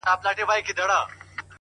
د زړګي لښکر مي ټوله تار و مار دی-